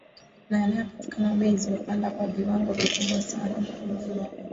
na yanapopatikana bei zimepanda kwa viwango vikubwa sana